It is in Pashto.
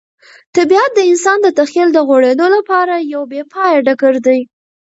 طبیعت د انسان د تخیل د غوړېدو لپاره یو بې پایه ډګر دی.